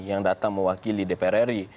yang datang mewakili dpr ri